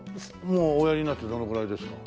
もうおやりになってどのくらいですか？